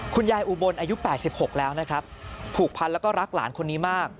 คุณยายอุบลอายุ๘๖แล้วนะครับผูกพันแล้วก็รักหลานคนนี้มาก